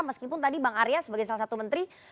meskipun tadi bang arya sebagai salah satu menteri